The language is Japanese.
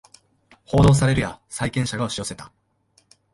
報道されるや債権者が押し寄せた